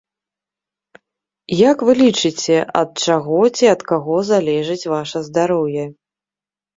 Як вы лічыце, ад чаго ці ад каго залежыць ваша здароўе?